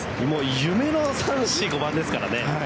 夢の３、４、５番ですから。